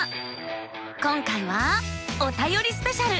今回は「おたよりスペシャル」。